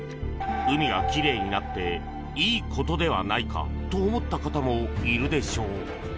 海が奇麗になっていいことではないかと思った方もいるでしょう。